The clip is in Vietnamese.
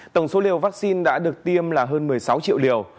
tổng số liều vaccine đã được tiêm là hơn một mươi sáu triệu liều